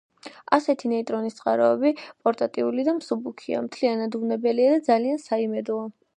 ასეთი ნეიტრონის წყაროები პორტატიული და მსუბუქია, მთლიანად უვნებელია და ძალიან საიმედოა.